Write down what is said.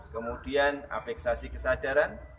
kemudian afeksasi kesadaran